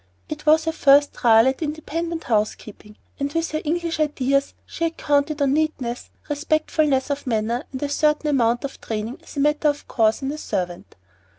It was her first trial at independent housekeeping, and with her English ideas she had counted on neatness, respectfulness of manner, and a certain amount of training as a matter of course in a servant.